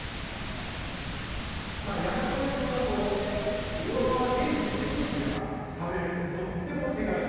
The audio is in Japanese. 柳川屋さんはこのままレンジでチンすれば食べられるので、とっても手軽。